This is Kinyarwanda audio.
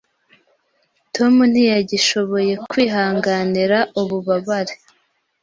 Tom ntiyagishoboye kwihanganira ububabare.